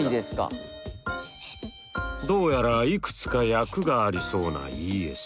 どうやらいくつか訳がありそうなＥＳ。